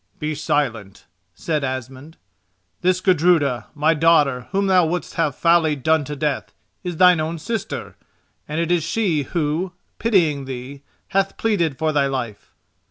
"Be silent," said Asmund. "This Gudruda, my daughter, whom thou wouldst have foully done to death, is thine own sister, and it is she who, pitying thee, hath pleaded for thy life."